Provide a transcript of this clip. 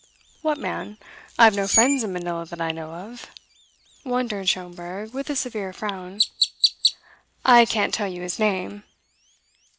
"What man? I've no friends in Manila that I know of," wondered Schomberg with a severe frown. "I can't tell you his name.